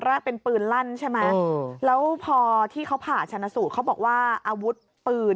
แรกเป็นปืนลั่นใช่ไหมแล้วพอที่เขาผ่าชนะสูตรเขาบอกว่าอาวุธปืน